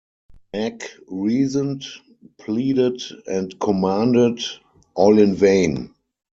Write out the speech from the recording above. Meg reasoned, pleaded, and commanded: all in vain.